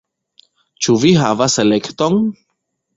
Ĉu vi havas elekton?